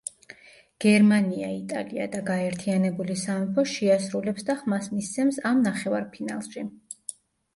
გერმანია, იტალია და გაერთიანებული სამეფო შეასრულებს და ხმას მისცემს ამ ნახევარფინალში.